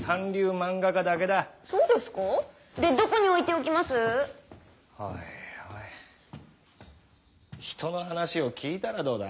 おいおい人の話を聞いたらどうだ？